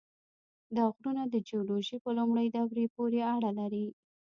دا غرونه د جیولوژۍ په لومړۍ دورې پورې اړه لري.